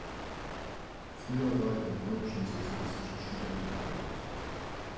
Früher war er im Polnischen Sozialistischen Studentenbund aktiv.